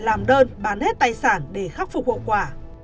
làm đơn bán hết tài sản để khắc phục hậu quả